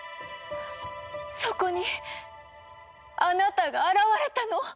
そこにあなたが現れたの！